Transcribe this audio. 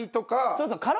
そうそう。